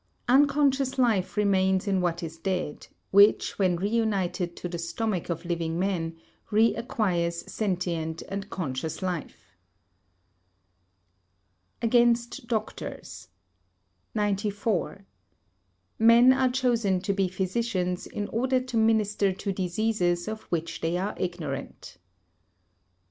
Unconscious life remains in what is dead, which when reunited to the stomach of living men, reacquires sentient and conscious life. [Sidenote: Against Doctors] 94. Men are chosen to be physicians in order to minister to diseases of which they are ignorant.